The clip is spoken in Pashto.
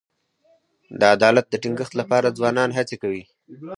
د عدالت د ټینګښت لپاره ځوانان هڅې کوي.